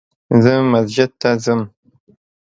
زه مسجد ته ځم